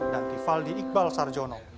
dan tifaldi iqbal sarjono